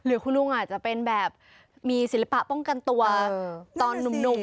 คุณลุงอาจจะเป็นแบบมีศิลปะป้องกันตัวตอนหนุ่ม